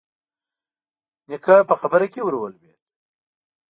نيکه په خبره کې ور ولوېد: